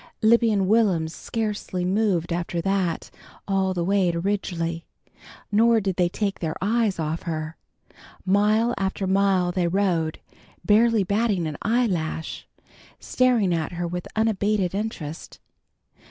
Libby and Will'm scarcely moved after that, all the way to Ridgely. Nor did they take their eyes off her. Mile after mile they rode, barely batting an eyelash, staring at her with unabated interest.